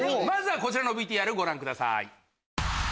まずはこちらのＶＴＲご覧ください。